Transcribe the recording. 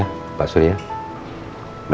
mohon diminum sesuai anjuran ya